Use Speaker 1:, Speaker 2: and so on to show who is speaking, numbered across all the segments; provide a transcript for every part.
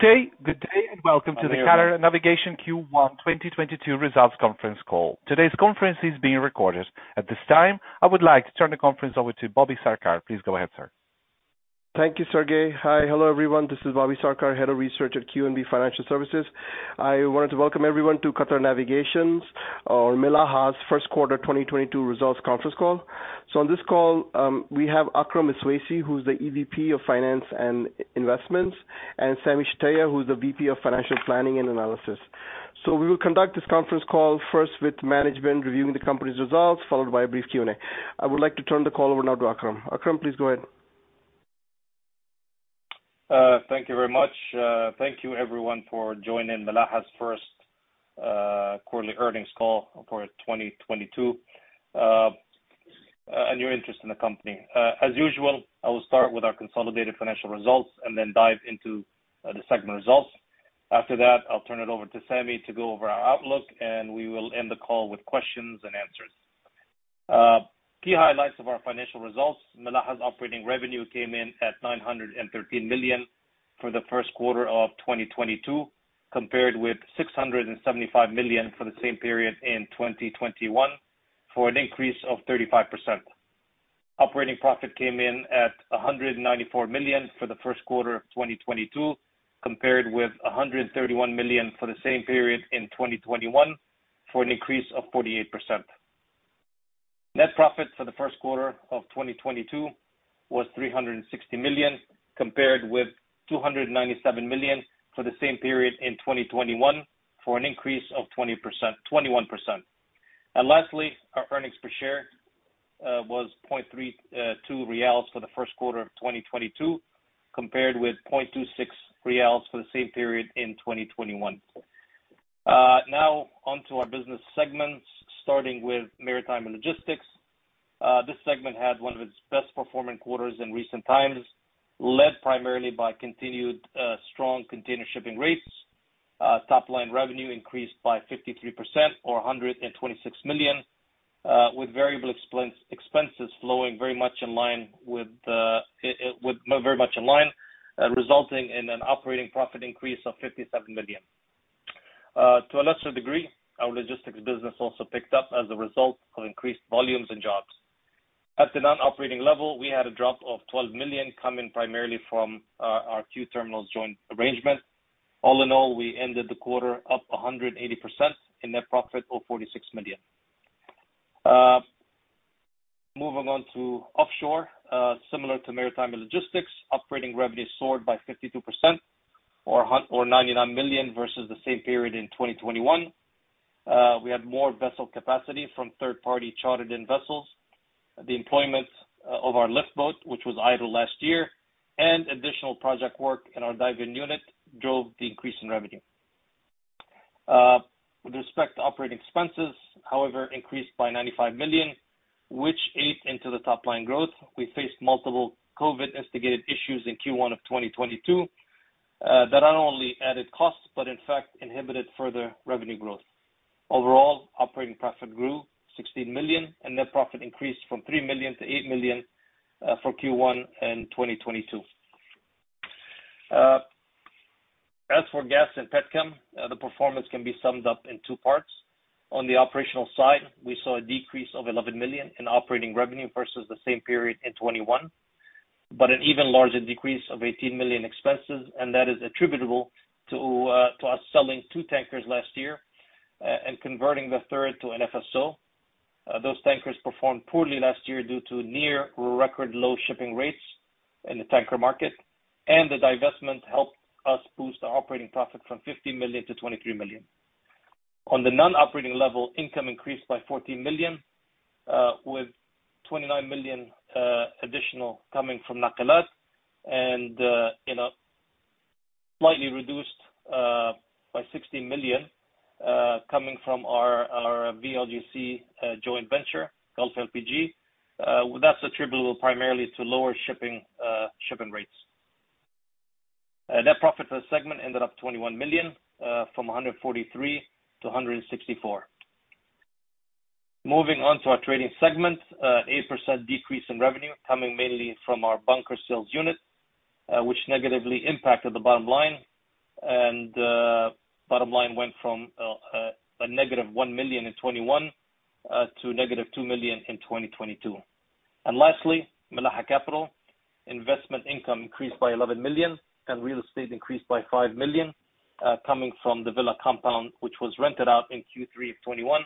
Speaker 1: Good day. Good day and welcome to the Qatar Navigation Q1 2022 results conference call. Today's conference is being recorded. At this time, I would like to turn the conference over to Bobby Sarkar. Please go ahead, sir.
Speaker 2: Thank you, Sergei. Hi. Hello, everyone. This is Bobby Sarkar, Head of Research at QNB Financial Services. I want to welcome everyone to Qatar Navigation's, or Milaha's, first quarter 2022 results conference call. On this call, we have Akram Iswaisi, who's the EVP of Finance and Investments, and Sami Shtayyeh, who's the VP of Financial Planning and Analysis. We will conduct this conference call first with management reviewing the company's results, followed by a brief Q&A. I would like to turn the call over now to Akram. Akram, please go ahead.
Speaker 3: Thank you very much. Thank you everyone for joining Milaha's first quarterly earnings call for 2022 and your interest in the company. As usual, I will start with our consolidated financial results and then dive into the segment results. After that, I'll turn it over to Sami to go over our outlook, and we will end the call with questions and answers. Key highlights of our financial results. Milaha's operating revenue came in at 913 million for the first quarter of 2022, compared with 675 million for the same period in 2021, for an increase of 35%. Operating profit came in at 194 million for the first quarter of 2022, compared with 131 million for the same period in 2021, for an increase of 48%. Net profit for the first quarter of 2022 was 360 million, compared with 297 million for the same period in 2021, for an increase of 21%. Lastly, our earnings per share was 0.32 QAR for the first quarter of 2022, compared with 0.26 QAR for the same period in 2021. Now on to our business segments, starting with Maritime and Logistics. This segment had one of its best performing quarters in recent times, led primarily by continued strong container shipping rates. Top line revenue increased by 53% or 126 million, with variable expenses flowing very much in line, resulting in an operating profit increase of 57 million. To a lesser degree, our logistics business also picked up as a result of increased volumes and jobs. At the non-operating level, we had a drop of 12 million coming primarily from our QTerminals joint arrangement. All in all, we ended the quarter up 180% in net profit of 46 million. Moving on to offshore, similar to maritime and logistics, operating revenue soared by 52% or 99 million versus the same period in 2021. We had more vessel capacity from third party chartered in vessels. The employment of our liftboat, which was idle last year, and additional project work in our diving unit drove the increase in revenue. With respect to operating expenses, however, increased by 95 million, which ate into the top line growth. We faced multiple COVID instigated issues in Q1 of 2022 that not only added costs but in fact inhibited further revenue growth. Overall, operating profit grew 16 million, and net profit increased from 3 million to 8 million for Q1 in 2022. As for Gas & Petrochem, the performance can be summed up in two parts. On the operational side, we saw a decrease of 11 million in operating revenue versus the same period in 2021, but an even larger decrease of 18 million expenses, and that is attributable to us selling two tankers last year and converting the third to an FSO. Those tankers performed poorly last year due to near record low shipping rates in the tanker market, and the divestment helped us boost our operating profit from 15 million to 23 million. On the non-operating level, income increased by 14 million, with 29 million additional coming from Nakilat and in a slightly reduced by 16 million coming from our VLGC joint venture, Gulf LPG. That's attributable primarily to lower shipping rates. Net profit for the segment ended up 21 million, from 143 million to 164 million. Moving on to our trading segment. 8% decrease in revenue coming mainly from our bunker sales unit, which negatively impacted the bottom line. Bottom line went from a negative 1 million in 2021 to negative 2 million in 2022. Lastly, Milaha Capital. Investment income increased by 11 million, and real estate increased by 5 million, coming from the villa compound, which was rented out in Q3 of 2021.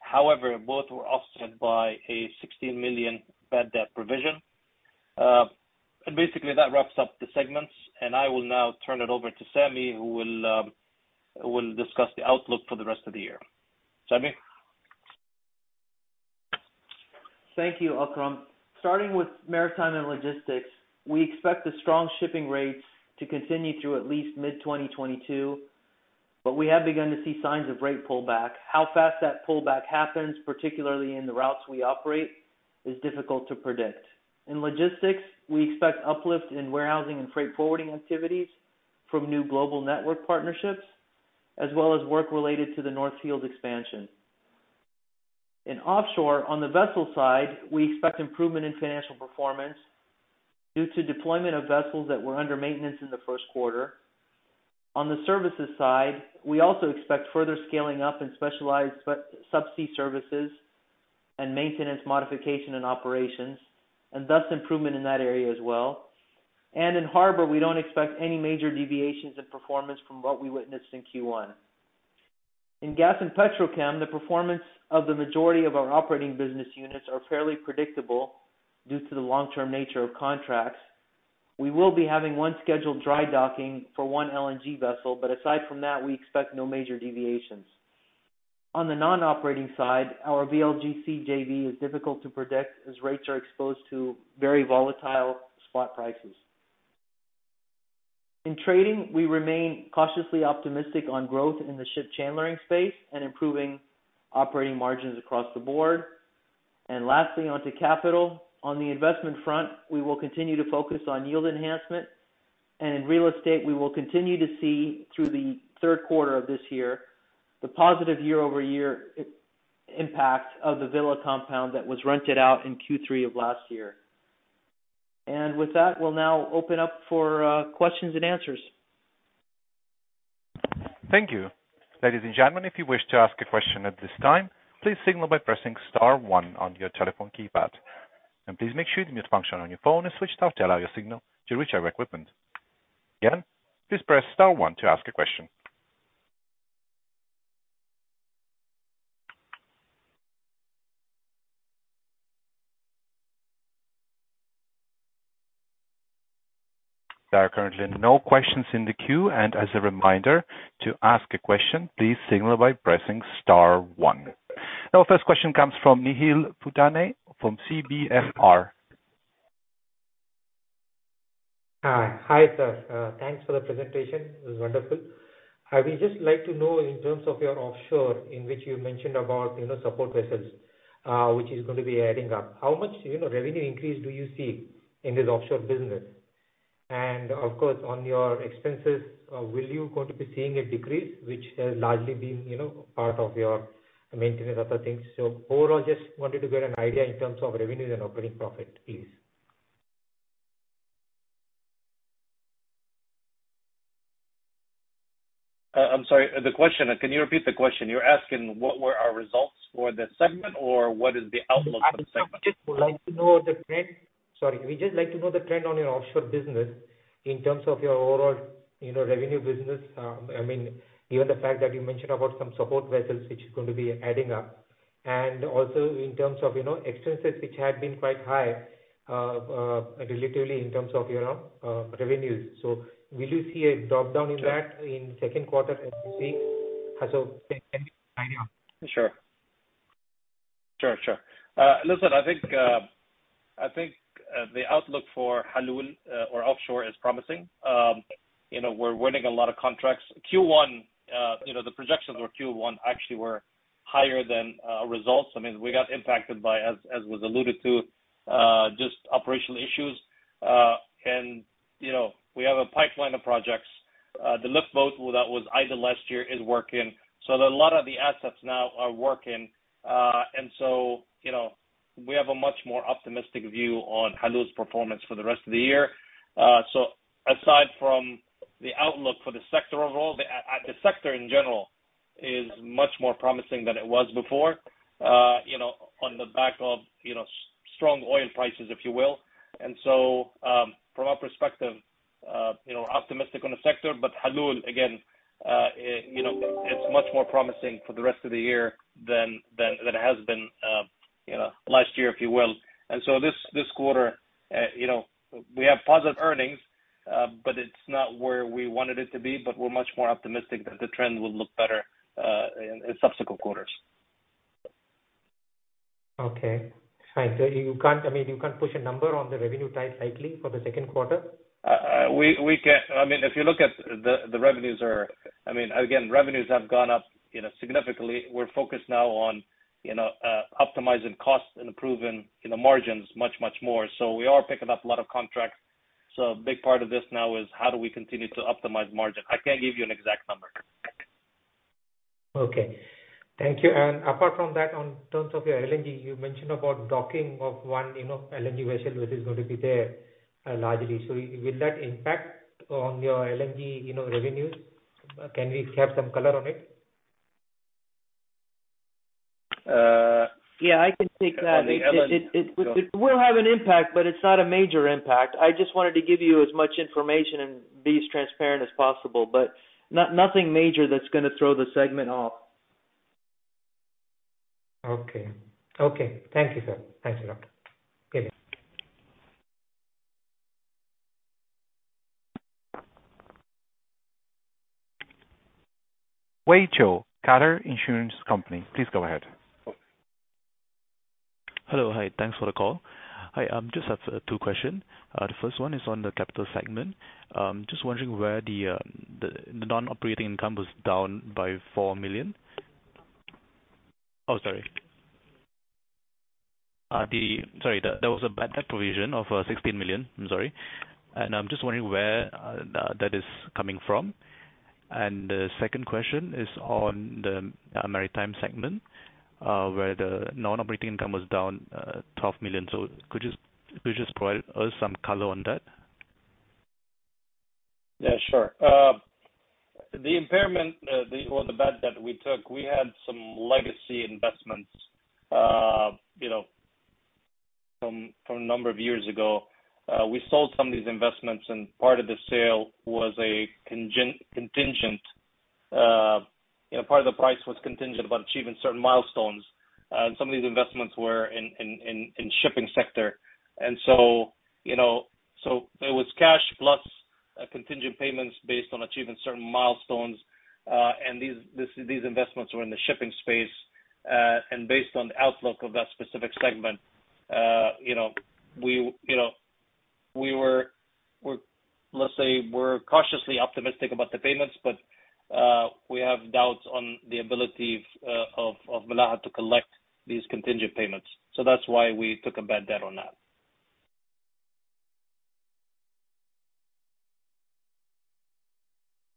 Speaker 3: However, both were offset by a 16 million bad debt provision. Basically that wraps up the segments, and I will now turn it over to Sami, who will discuss the outlook for the rest of the year. Sami?
Speaker 4: Thank you, Akram. Starting with Maritime and Logistics, we expect the strong shipping rates to continue through at least mid-2022, but we have begun to see signs of rate pullback. How fast that pullback happens, particularly in the routes we operate, is difficult to predict. In logistics, we expect uplift in warehousing and freight forwarding activities from new global network partnerships, as well as work related to the North Field expansion. In Offshore, on the vessel side, we expect improvement in financial performance due to deployment of vessels that were under maintenance in the first quarter. On the services side, we also expect further scaling up in specialized subsea services and maintenance, modification and operations, and thus improvement in that area as well. In Harbor, we don't expect any major deviations in performance from what we witnessed in Q1. In Gas and Petrochem, the performance of the majority of our operating business units are fairly predictable due to the long-term nature of contracts. We will be having one scheduled dry docking for one LNG vessel, but aside from that, we expect no major deviations. On the non-operating side, our VLGC JV is difficult to predict as rates are exposed to very volatile spot prices. In Trading, we remain cautiously optimistic on growth in the ship chandlering space and improving operating margins across the board. Lastly, on to Capital. On the investment front, we will continue to focus on yield enhancement. In real estate, we will continue to see through the third quarter of this year, the positive year-over-year impact of the villa compound that was rented out in Q3 of last year. With that, we'll now open up for questions and answers.
Speaker 1: Thank you. Ladies and gentlemen, if you wish to ask a question at this time, please signal by pressing star one on your telephone keypad. Please make sure the mute function on your phone is switched off to allow your signal to reach our equipment. Again, please press star one to ask a question. There are currently no questions in the queue. As a reminder, to ask a question, please signal by pressing star one. Our first question comes from Nikhil Phutane from CBFS.
Speaker 5: Hi. Hi, sir. Thanks for the presentation. It was wonderful. I will just like to know in terms of your Offshore, in which you mentioned about, you know, support vessels, which is going to be adding up. How much, you know, revenue increase do you see in this Offshore business? And of course, on your expenses, will you going to be seeing a decrease, which has largely been, you know, part of your maintenance and other things? Overall, just wanted to get an idea in terms of revenues and operating profit, please.
Speaker 3: I'm sorry. The question, can you repeat the question? You're asking what were our results for the segment or what is the outlook for the segment?
Speaker 5: We just like to know the trend on your offshore business in terms of your overall, you know, revenue business. I mean, given the fact that you mentioned about some support vessels, which is going to be adding up. Also in terms of, you know, expenses which had been quite high, relatively in terms of your revenues. Will you see a drop down in that in second quarter as we see? Can you
Speaker 3: Sure. Listen, I think the outlook for Halul or offshore is promising. You know, we're winning a lot of contracts. Q1, you know, the projections for Q1 actually were higher than results. I mean, we got impacted by, as was alluded to, just operational issues. You know, we have a pipeline of projects. The liftboat that was idle last year is working. A lot of the assets now are working. You know, we have a much more optimistic view on Halul's performance for the rest of the year. Aside from the outlook for the sector overall, the sector in general is much more promising than it was before, you know, on the back of strong oil prices, if you will. From our perspective, you know, optimistic on the sector, but Halul, again, you know, it's much more promising for the rest of the year than it has been, you know, last year, if you will. This quarter, you know, we have positive earnings, but it's not where we wanted it to be, but we're much more optimistic that the trend will look better, in subsequent quarters.
Speaker 5: Okay. You can't, I mean, you can't push a number on the revenue side likely for the second quarter?
Speaker 3: I mean, if you look at the revenues, I mean, again, revenues have gone up, you know, significantly. We're focused now on, you know, optimizing costs and improving, you know, margins much more. We are picking up a lot of contracts. A big part of this now is how do we continue to optimize margin. I can't give you an exact number.
Speaker 5: Okay. Thank you. Apart from that, in terms of your LNG, you mentioned about docking of one, you know, LNG vessel which is going to be there largely. Will that impact on your LNG, you know, revenues? Can we have some color on it?
Speaker 4: Uh- Yeah, I can take that. On the LNG. Go on. It will have an impact, but it's not a major impact. I just wanted to give you as much information and be as transparent as possible. Nothing major that's gonna throw the segment off.
Speaker 5: Okay. Thank you, sir. Thanks a lot. Okay.
Speaker 1: Wei Zhao, Qatar Insurance Company, please go ahead.
Speaker 6: Hello. Hi. Thanks for the call. I just have two question. The first one is on the Capital segment. Just wondering where the non-operating income was down by 4 million. Oh, sorry. Sorry, there was a bad debt provision of 16 million. I'm sorry. I'm just wondering where that is coming from. The second question is on the Maritime segment, where the non-operating income was down 12 million. So could you just provide us some color on that?
Speaker 3: Yeah, sure. The impairment, or the bad debt we took, we had some legacy investments, you know, from a number of years ago. We sold some of these investments and part of the sale was a contingent, you know, part of the price was contingent about achieving certain milestones, and some of these investments were in shipping sector. You know, there was cash plus contingent payments based on achieving certain milestones. And these investments were in the shipping space. And based on the outlook of that specific segment, you know, we were, let's say, we're cautiously optimistic about the payments, but we have doubts on the ability of Milaha to collect these contingent payments. That's why we took a bad debt on that.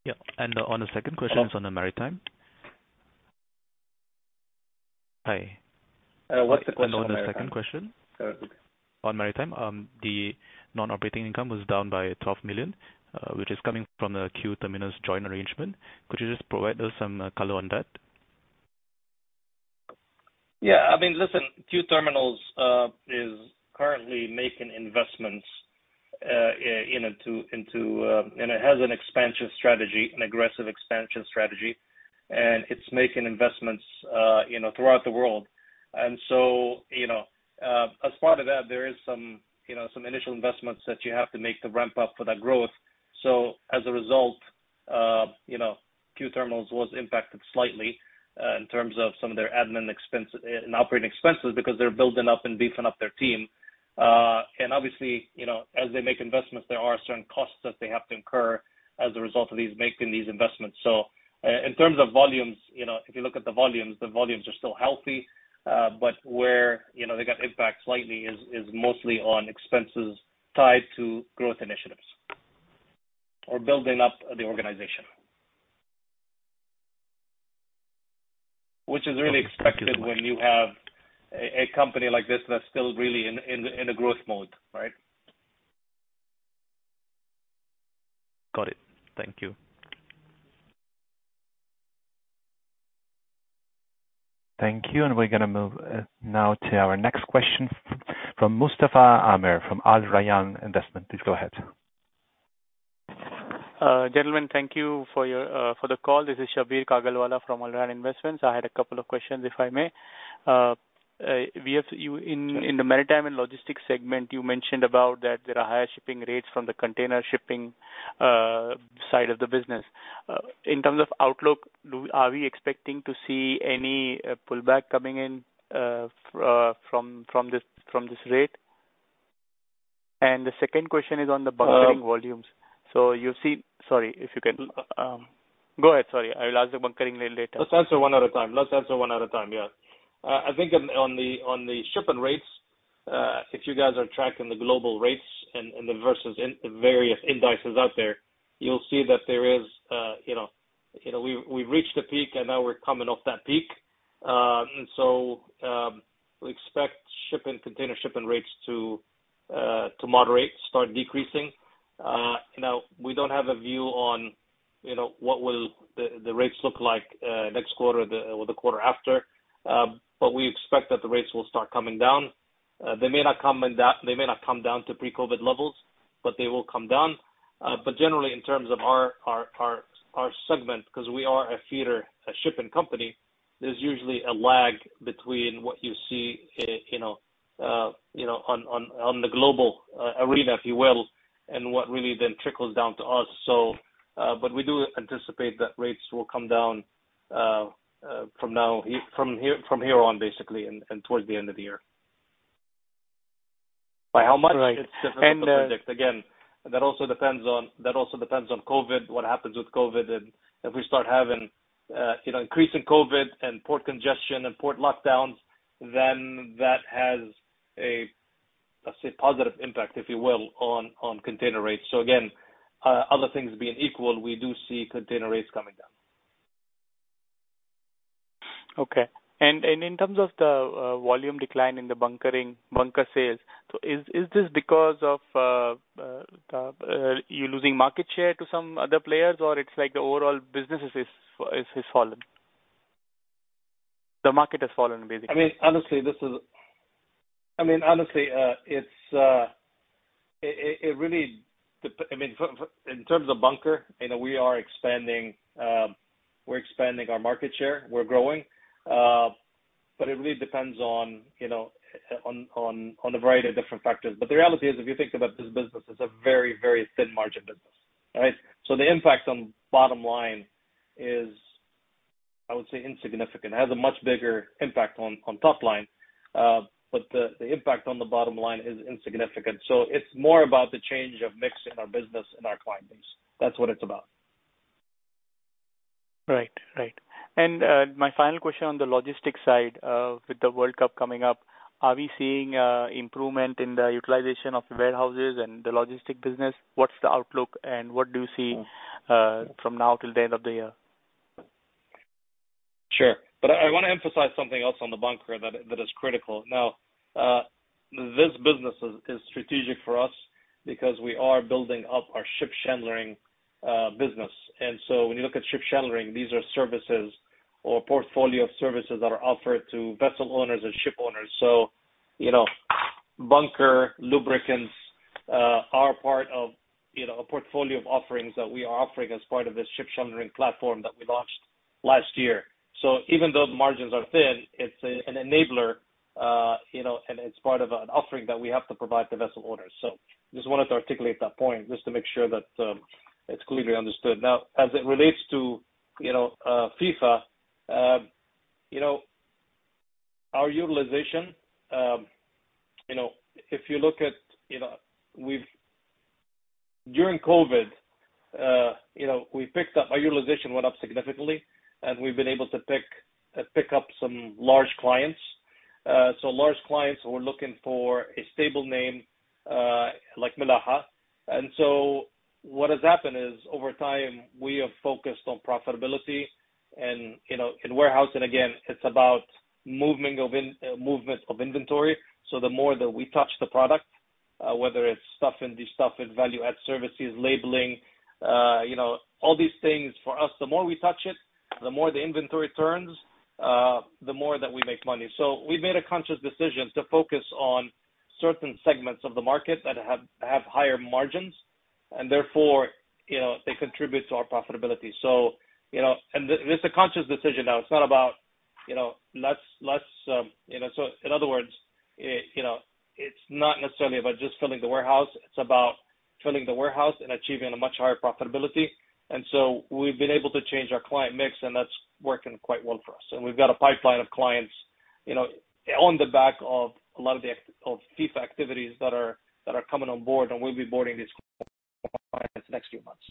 Speaker 6: Yeah. On the second question.
Speaker 3: Sure.
Speaker 6: On the Maritime. Hi.
Speaker 3: What's the question on Maritime?
Speaker 6: No, the second question.
Speaker 3: Sorry.
Speaker 6: On Maritime, the non-operating income was down by 12 million, which is coming from the QTerminals joint arrangement. Could you just provide us some color on that?
Speaker 3: Yeah. I mean, listen, QTerminals is currently making investments, you know, into. It has an expansion strategy, an aggressive expansion strategy, and it's making investments, you know, throughout the world. You know, as part of that, there is some, you know, some initial investments that you have to make to ramp up for that growth. As a result, you know, QTerminals was impacted slightly, in terms of some of their admin expense, and operating expenses because they're building up and beefing up their team. Obviously, you know, as they make investments, there are certain costs that they have to incur as a result of making these investments. In terms of volumes, you know, if you look at the volumes, the volumes are still healthy. where, you know, the impact slightly is mostly on expenses tied to growth initiatives or building up the organization. Which is really expected when you have a company like this that's still really in the growth mode, right?
Speaker 6: Got it. Thank you.
Speaker 1: Thank you. We're gonna move now to our next question from Shabbir Kagalwala from Al Rayan Investment. Please go ahead.
Speaker 7: Gentlemen, thank you for your for the call. This is Shabbir Kagalwala from Al Rayan Investment. I had a couple of questions, if I may. In the maritime and logistics segment, you mentioned about that there are higher shipping rates from the container shipping side of the business. In terms of outlook, are we expecting to see any pullback coming in from this rate? The second question is on the bunkering-
Speaker 3: Uh-
Speaker 7: volumes. Sorry, if you can
Speaker 3: L-
Speaker 7: Go ahead, sorry. I'll ask the bunkering little later.
Speaker 3: Let's answer one at a time. Yeah. I think on the shipping rates, if you guys are tracking the global rates and the various indexes out there, you'll see that there is you know, we reached a peak, and now we're coming off that peak. We expect shipping container shipping rates to moderate, start decreasing. Now, we don't have a view on you know, what will the rates look like next quarter or the quarter after, but we expect that the rates will start coming down. They may not come down to pre-COVID levels, but they will come down. Generally in terms of our segment, 'cause we are a feeder, a shipping company, there's usually a lag between what you see, you know, you know, on the global arena, if you will, and what really then trickles down to us. We do anticipate that rates will come down from here on, basically, and towards the end of the year. By how much?
Speaker 7: Right.
Speaker 3: It's difficult to predict. Again, that also depends on COVID, what happens with COVID. If we start having, you know, increasing COVID and port congestion and port lockdowns, then that has a, let's say, positive impact, if you will, on container rates. Again, other things being equal, we do see container rates coming down.
Speaker 7: In terms of the volume decline in the bunkering, bunker sales, is this because of you're losing market share to some other players, or it's like the overall business is fallen? The market has fallen, basically.
Speaker 3: I mean, honestly, in terms of bunker, you know, we are expanding. We're expanding our market share. We're growing. It really depends on, you know, on a variety of different factors. The reality is, if you think about this business, it's a very, very thin margin business. All right. The impact on bottom line is, I would say, insignificant. It has a much bigger impact on top line, but the impact on the bottom line is insignificant. It's more about the change of mix in our business and our client base. That's what it's about.
Speaker 7: Right. My final question on the logistics side, with the World Cup coming up, are we seeing improvement in the utilization of warehouses and the logistics business? What's the outlook and what do you see from now till the end of the year?
Speaker 3: Sure. I wanna emphasize something else on the bunker that is critical. Now, this business is strategic for us because we are building up our ship chandlering business. When you look at ship chandlering, these are services or portfolio of services that are offered to vessel owners and ship owners. You know, bunker lubricants are part of you know, a portfolio of offerings that we are offering as part of this ship chandlering platform that we launched last year. Even though the margins are thin, it's an enabler you know, and it's part of an offering that we have to provide to vessel owners. I just wanted to articulate that point just to make sure that it's clearly understood. Now, as it relates to, you know, FIFA, you know, our utilization, you know, if you look at, you know, during COVID, you know, our utilization went up significantly, and we've been able to pick up some large clients. Large clients who are looking for a stable name, like Milaha. What has happened is, over time, we have focused on profitability and, you know, in warehousing, again, it's about movement of inventory. The more that we touch the product, whether it's stuffing, destuffing, value-add services, labeling, you know, all these things, for us, the more we touch it, the more the inventory turns, the more that we make money. We made a conscious decision to focus on certain segments of the market that have higher margins, and therefore, you know, they contribute to our profitability. You know, that's a conscious decision now. It's not about, you know. In other words, you know, it's not necessarily about just filling the warehouse, it's about filling the warehouse and achieving a much higher profitability. We've been able to change our client mix, and that's working quite well for us. We've got a pipeline of clients, you know, on the back of a lot of the FIFA activities that are coming on board, and we'll be boarding these clients next few months.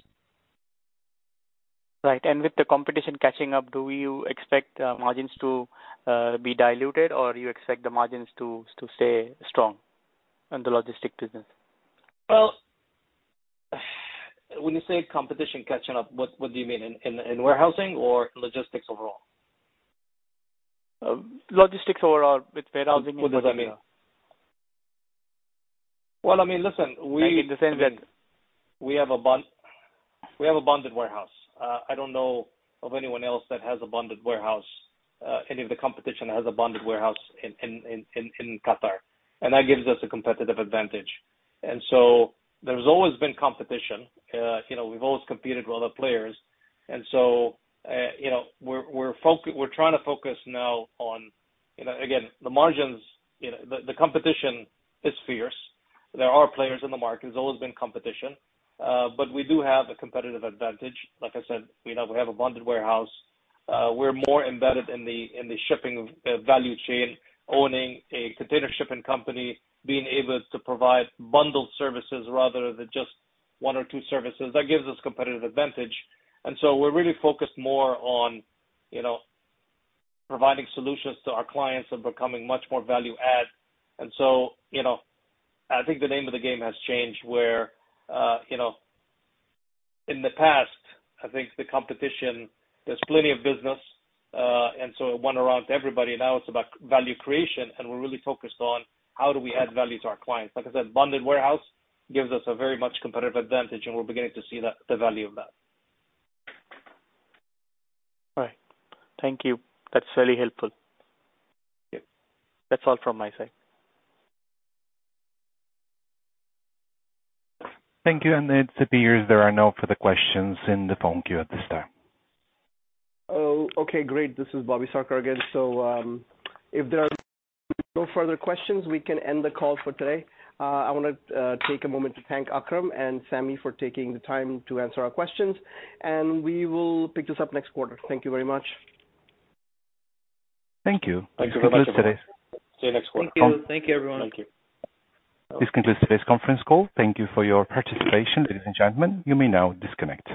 Speaker 7: Right. With the competition catching up, do you expect margins to be diluted, or you expect the margins to stay strong in the logistics business?
Speaker 3: Well, when you say competition catching up, what do you mean? In warehousing or logistics overall?
Speaker 7: Logistics overall with warehousing and
Speaker 3: What does that mean? Well, I mean, listen, we
Speaker 7: Like in the same vein.
Speaker 3: We have a bonded warehouse. I don't know of anyone else that has a bonded warehouse, any of the competition has a bonded warehouse in Qatar, and that gives us a competitive advantage. There's always been competition. You know, we've always competed with other players. You know, we're trying to focus now on, you know, again, the margins, you know. The competition is fierce. There are players in the market. There's always been competition, but we do have a competitive advantage. Like I said, you know, we have a bonded warehouse. We're more embedded in the shipping value chain, owning a container shipping company, being able to provide bundled services rather than just one or two services. That gives us competitive advantage. We're really focused more on, you know, providing solutions to our clients and becoming much more value add. You know, I think the name of the game has changed where, you know, in the past, I think the competition, there's plenty of business, and so it went around to everybody. Now it's about value creation, and we're really focused on how do we add value to our clients. Like I said, bonded warehouse gives us a very much competitive advantage, and we're beginning to see the value of that.
Speaker 7: All right. Thank you. That's really helpful.
Speaker 3: Yeah.
Speaker 7: That's all from my side.
Speaker 1: Thank you. It appears there are no further questions in the phone queue at this time.
Speaker 2: Oh, okay, great. This is Bobby Sarkar again. If there are no further questions, we can end the call for today. I wanna take a moment to thank Akram and Sami for taking the time to answer our questions, and we will pick this up next quarter. Thank you very much.
Speaker 1: Thank you.
Speaker 3: Thanks very much.
Speaker 1: This concludes today's.
Speaker 3: See you next quarter.
Speaker 1: Con-
Speaker 7: Thank you. Thank you, everyone.
Speaker 3: Thank you.
Speaker 1: This concludes today's conference call. Thank you for your participation, ladies and gentlemen. You may now disconnect.